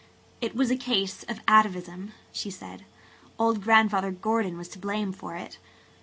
"It was a case of atavism," she said. "Old Grandfather Gordon was to blame for it."